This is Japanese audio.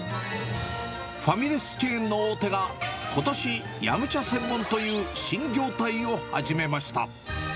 ファミレスチェーンの大手が、ことし飲茶専門という新業態を始めました。